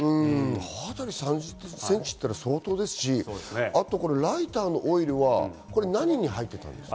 刃渡り３０ｃｍは相当ですし、あとライターのオイルは何に入ってたんですか？